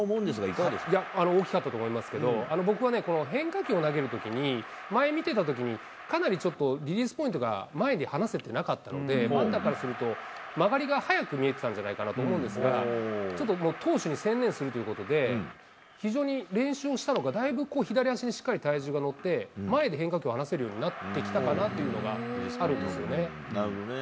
いや、大きかったと思いますけど、僕はこの変化球を投げるときに、前見てたときに、かなりちょっとリリースポイントが前に離せてなかったので、バッターからすると、曲がりが速く見えてたんじゃないかと思うんですが、ちょっと投手に専念するということで、非常に練習もしたのか、だいぶ左足にしっかり体重が乗って、前で変化球合わせるようになってきたのかなっていうのがあるんでなるほど。